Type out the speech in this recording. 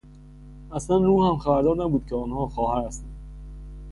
اصلا روحم خبردار نبود که آنها خواهر هستند.